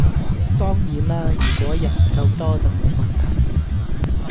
當然啦如果人夠多就冇問題